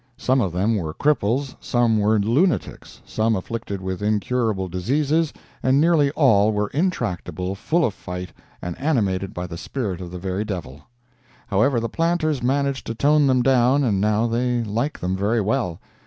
Some of them were cripples, some were lunatics, some afflicted with incurable diseases and nearly all were intractable, full of fight and animated by the spirit of the very devil. However, the planters managed to tone them down and now they like them very well.